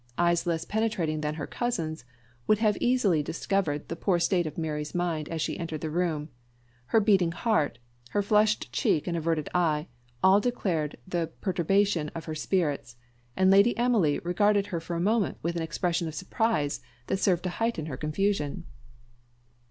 Eyes less penetrating than her cousin's would easily have discovered the state of poor Mary's mind as she entered the room; her beating heart her flushed cheek and averted eye, all declared the perturbation of her spirits; and Lady Emily regarded her for a moment with an expression of surprise that served to heighten her confusion.